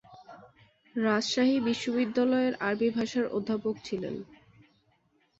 রাজশাহী বিশ্ববিদ্যালয়ের আরবী ভাষার অধ্যাপক ছিলেন।